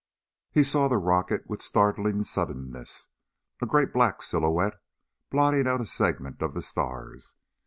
He saw the rocket with startling suddenness a great black silhouette blotting out a segment of the stars.